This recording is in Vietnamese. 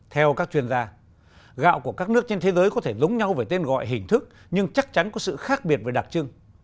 theo các chuyên gia gạo của các nước trên thế giới có thể giống nhau về tên gọi hình thức nhưng chắc chắn có sự khác biệt về đặc trưng